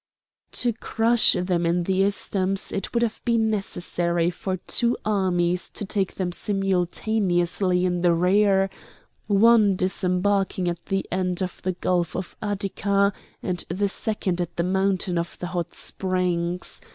To crush them in the isthmus it would have been necessary for two armies to take them simultaneously in the rear, one disembarking at the end of the gulf of Utica, and the second at the mountain of the Hot Springs.